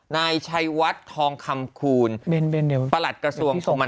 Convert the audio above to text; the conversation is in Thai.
นายชัยวัตรทองคำคูณประหลัดกระทรวงภัมฑ์มนาคมเนี่ยนะฮะ